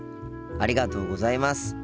ありがとうございます。